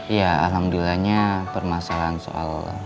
ya alhamdulillahnya permasalahan soal